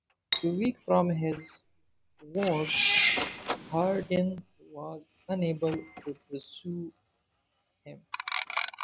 Too weak from his wounds, Hardin was unable to pursue him.